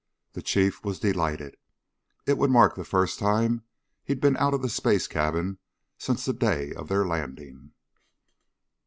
The Chief was delighted. It would mark the first time he'd been out of the space cabin since the day of their landing.